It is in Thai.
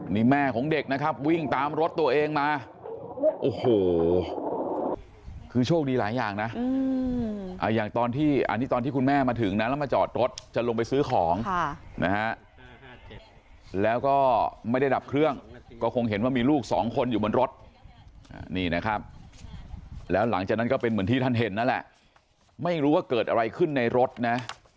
แล้วหลังจากนั้นก็เป็นเหมือนที่ท่านเห็นนั่นแหละไม่รู้ว่าเกิดอะไรขึ้นในรถนะ